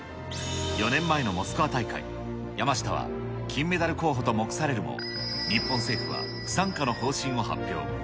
４年前のモスクワ大会、山下は金メダル候補と目されるも、日本政府は不参加の方針を発表。